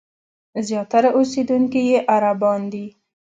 زیاتره اوسېدونکي یې عربان دي.